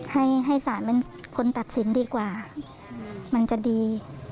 ให้ให้ศาลเป็นคนตัดสินดีกว่ามันจะดี